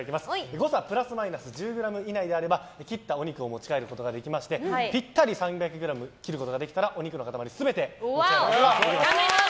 誤差プラスマイナス１０ｇ以内であれば切ったお肉を持ち帰ることができましてぴったり３００ｇ切ることができればお肉の塊全てお持ち帰りいただけます。